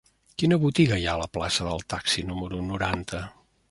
Quina botiga hi ha a la plaça del Taxi número noranta?